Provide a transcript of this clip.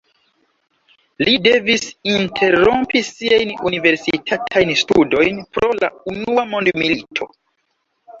Li devis interrompi siajn universitatajn studojn pro la unua mondmilito.